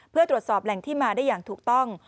เพื่อตรวจสอบแหล่งที่มาได้อย่างถูกต้อง